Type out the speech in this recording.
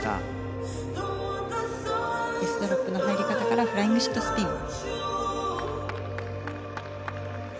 デスドロップの入り方からフライングシットスピン。